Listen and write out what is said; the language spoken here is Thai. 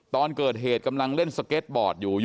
ตอนเกิดเหตุกำลังเล่นสเก็ตบอร์ดอยู่